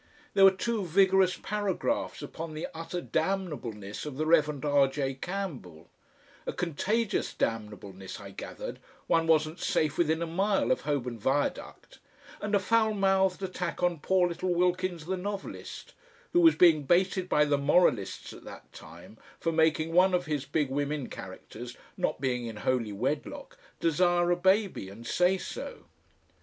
There were two vigorous paragraphs upon the utter damnableness of the Rev. R. J. Campbell, a contagious damnableness I gathered, one wasn't safe within a mile of Holborn Viaduct, and a foul mouthed attack on poor little Wilkins the novelist who was being baited by the moralists at that time for making one of his big women characters, not being in holy wedlock, desire a baby and say so....